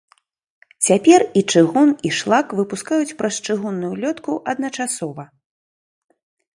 Цяпер і чыгун, і шлак выпускаюць праз чыгунную лётку адначасова.